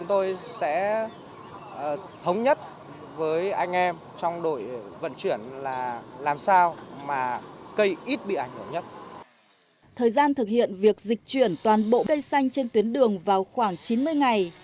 thời gian thực hiện việc dịch chuyển toàn bộ cây xanh trên tuyến đường vào khoảng chín mươi ngày